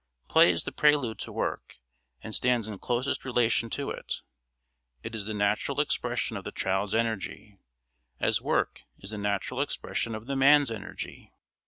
Play is the prelude to work, and stands in closest relation to it; it is the natural expression of the child's energy, as work is the natural expression of the man's energy.